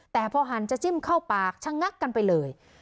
แต่พอหันจะจิ้มเข้าปากชะงักกันไปเลย